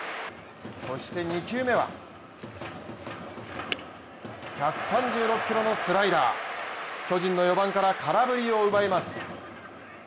そして２球目は１３６キロのスライダー巨人の４番から空振りを奪います。